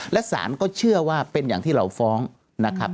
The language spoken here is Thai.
และสารก็เชื่อว่าเป็นอย่างที่เราฟ้องนะครับ